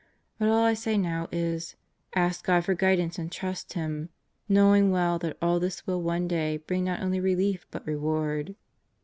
But all I say now is: Ask God for guidance and trust Him, knowing well that all this will one day bring not only relief but reward."